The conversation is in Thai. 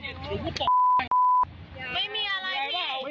เรียกเมื่อกี๊สำลวชมา